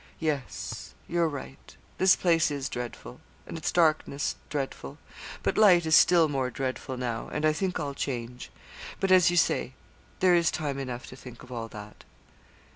'Yes you're right. This place is dreadful, and its darkness dreadful; but light is still more dreadful now, and I think I'll change; but, as you say, there is time enough to think of all that.'